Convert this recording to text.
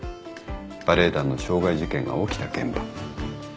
バレエ団の傷害事件が起きた現場。